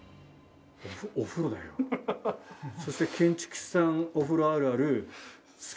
そして建築士さんお風呂あるある。